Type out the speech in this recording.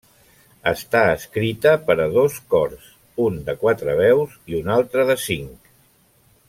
Està escrita per a dos cors, un de quatre veus i un altre de cinc.